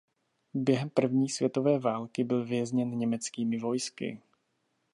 Během první světové války byl vězněn německými vojsky.